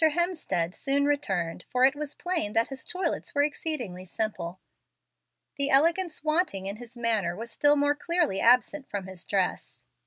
Hemstead soon returned, for it was plain that his toilets were exceedingly simple. The elegance wanting in his manners was still more clearly absent from his dress.